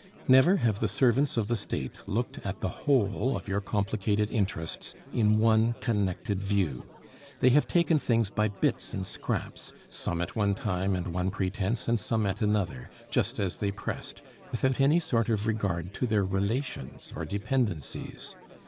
Never have the servants of the State looked at the whole of your complicated interests in one connected view. They have taken things by bits and scraps, some at one time and one pretense and some at another, just as they pressed, without any sort of regard to their relations or dependencies.